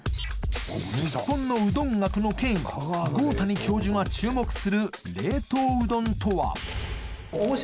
日本のうどん学の権威合谷教授が注目する冷凍うどんとは？